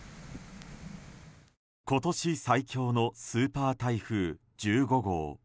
今年最強のスーパー台風１５号。